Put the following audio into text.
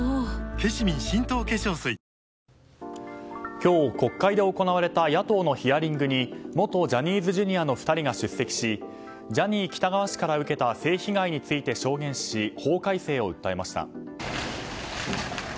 今日、国会で行われた野党のヒアリングに元ジャニーズＪｒ．の２人が出席しジャニー喜多川氏から受けた性被害について証言し法改正を訴えました。